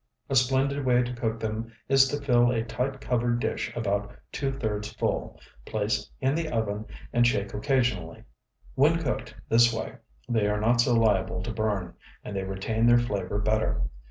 A splendid way to cook them is to fill a tight covered dish about two thirds full, place in the oven, and shake occasionally. When cooked this way, they are not so liable to burn, and they retain their flavor better.